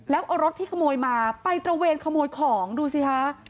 แล้วเอารถที่ขโมยมาไปตระเวนขโมยของดูสิคะ